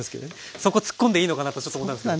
そこツッコんでいいのかなとちょっと思ったんですけど。